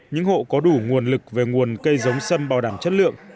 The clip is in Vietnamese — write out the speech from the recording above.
những hộ có đủ nguồn lực về nguồn cây giống sâm bảo đảm chất lượng